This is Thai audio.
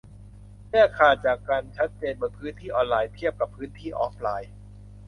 แยกขาดจากกันชัดเจนบนพื้นที่ออนไลน์ เทียบกับพื้นที่ออฟไลน์